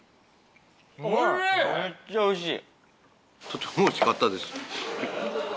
めっちゃおいしい。